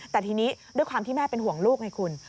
แต่ทีนี้ด้วยความที่แม่เป็นห่วงลูกไงคุณ